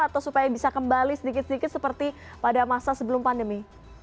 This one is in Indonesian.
atau supaya bisa kembali sedikit sedikit seperti pada masa sebelum pandemi